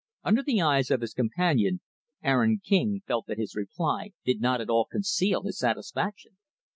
Under the eyes of his companion, Aaron King felt that his reply did not at all conceal his satisfaction.